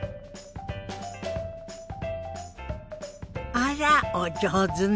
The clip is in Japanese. あらお上手ね。